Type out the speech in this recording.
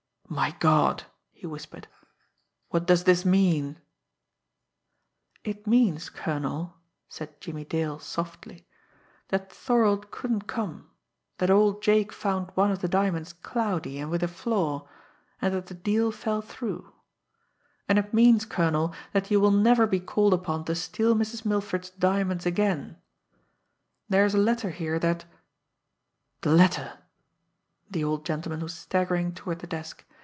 "My God!" he whispered. "What does this mean?" "It means, colonel," said Jimmie Dale softly, "that Thorold couldn't come, that old Jake found one of the diamonds cloudy and with a flaw, and that the deal fell through and it means, colonel, that you will never be called upon to steal Mrs. Milford's diamonds again; there is a letter here that " "The letter!" The old gentleman was staggering toward the desk.